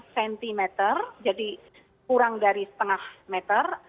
tiga belas lima cm jadi kurang dari setengah meter